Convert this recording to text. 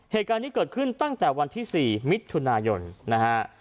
เหตุการณ์นี้เกิดขึ้นตั้งแต่วันที่๔มิถุนายนนะฮะ